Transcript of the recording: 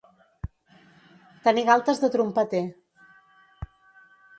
Tenir galtes de trompeter.